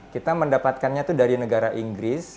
kita mendapatkannya itu dari negara inggris